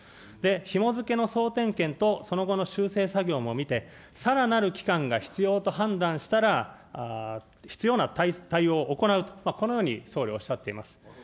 ひも付けの総点検と、その後の修正作業も見て、さらなる期間が必要と判断したら、必要な対応を行うと、このように総理はおっしゃっています。